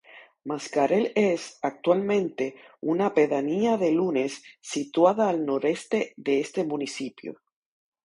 Mascarell es, actualmente, una pedanía de Nules, situada al nordeste de este municipio.